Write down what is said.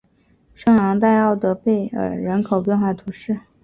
圣昂代奥德贝尔人口变化图示